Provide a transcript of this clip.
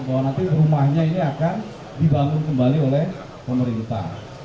bahwa nanti rumahnya ini akan dibangun kembali oleh pemerintah